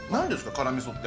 辛みそって。